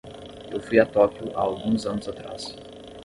Eu fui a Tóquio há alguns anos atrás.